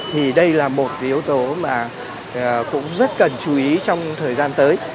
thì đây là một yếu tố mà cũng rất cần chú ý trong thời gian tới